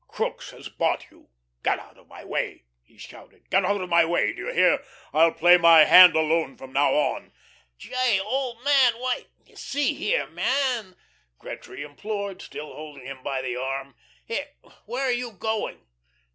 Crookes has bought you. Get out of my way!" he shouted. "Get out of my way! Do you hear? I'll play my hand alone from now on." "J., old man why see here, man," Gretry implored, still holding him by the arm; "here, where are you going?"